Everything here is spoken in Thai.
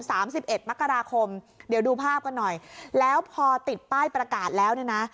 สามสิบเอ็ดมกราคมเดี๋ยวดูภาพกันหน่อยแล้วพอติดป้ายประกาศแล้วเนี่ยนะ